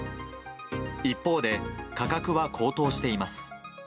一方で価格は高騰しています。